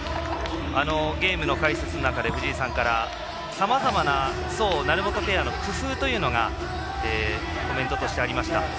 ゲームの解説の中で藤井さんからさまざまな宋、成本ペアの工夫というのがコメントとしてありました。